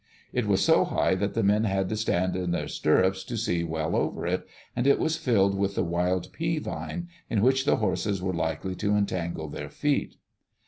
It was so high that the men had to stand in their stirrups to see well over it, and it was filled with the wild pea vine, in which the horses were likely to entangle their feet.